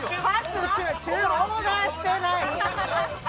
オーダーしてない！